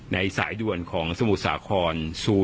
ในสายด่วนของสมุทรสาคร๐๖๕๕๔๙๓๓๒๒